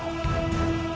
aku sudah sembuh